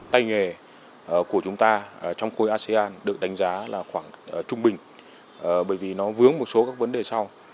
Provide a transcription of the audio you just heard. tay nghề của chúng ta trong khối asean được đánh giá là khoảng trung bình bởi vì nó vướng một số các vấn đề sau